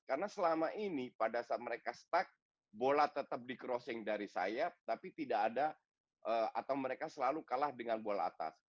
karena selama ini pada saat mereka stuck bola tetap di crossing dari sayap tapi tidak ada atau mereka selalu kalah dengan bola atas